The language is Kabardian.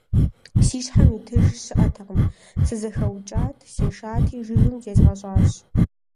Си щхьэм итыж щыӀэтэкъым, сызэхэукӀат, сешати, жыгым зезгъэщӀащ.